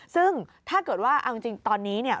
ซึ่งถ้าเกิดว่าเอาจริงตอนนี้เนี่ย